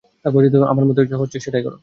আমার মত হচ্ছে, সেটাই করো।